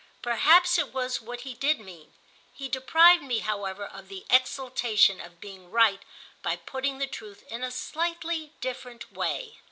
Perhaps it was what he did mean; he deprived me however of the exultation of being right by putting the truth in a slightly different way.